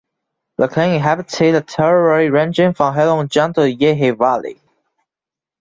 The clan inhabited the territory ranging from Heilongjiang to Yehe valley.